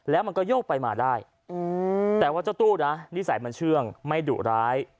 แล้วมันก็โยกไปมาได้แต่ว่าเจ้าตู้นะนิสัยมันเชื่องไม่ดุร้าย